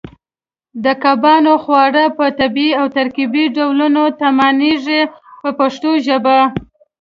د کبانو خواړه په طبیعي او ترکیبي ډولونو تامینېږي په پښتو ژبه.